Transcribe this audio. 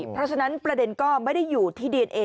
เพราะฉะนั้นประเด็นก็ไม่ได้อยู่ที่ดีเอนเอ